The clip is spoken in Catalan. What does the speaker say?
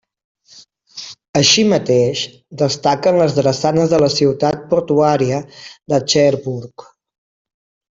Així mateix, destaquen les drassanes de la ciutat portuària de Cherbourg.